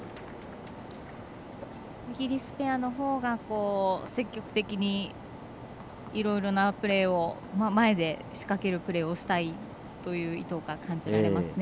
イギリスペアのほうが積極的にいろいろなプレーを前で仕掛けるプレーをしたいという意図が感じられますね。